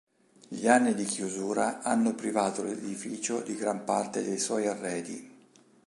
Gli anni di chiusura hanno privato l'edificio di gran parte dei suoi arredi.